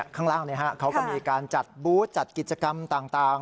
ข้างล่างเขาก็มีการจัดบูธจัดกิจกรรมต่าง